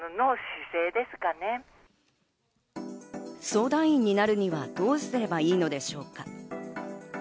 相談員になるにはどうすればいいのでしょうか。